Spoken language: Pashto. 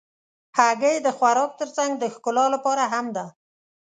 هګۍ د خوراک تر څنګ د ښکلا لپاره هم ده.